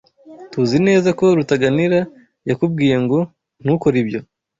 TUZI neza ko Rutaganira yakubwiye ngo ntukore ibyo.